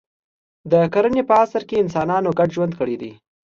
د کرنې په عصر کې انسانانو ګډ ژوند کړی دی.